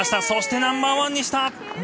そしてナンバーワンにした！